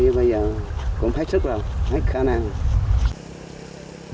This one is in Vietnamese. nhưng bây giờ cũng hết sức rồi hết khả năng rồi